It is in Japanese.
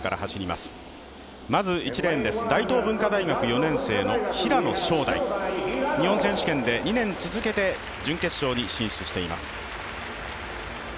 まず１レーンです、大東文化大学４年生の平野翔大日本選手権で２年続けて準決勝に進出しています。